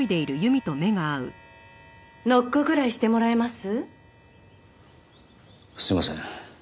すいません。